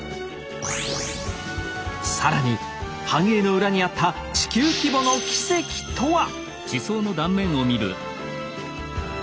更に繁栄の裏にあった地球規模の奇跡とは？